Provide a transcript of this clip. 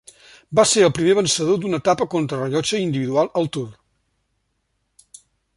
Va ser el primer vencedor d'una etapa contra-rellotge individual al Tour.